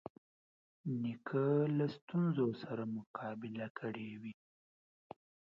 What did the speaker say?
نیکه له ستونزو سره مقابله کړې وي.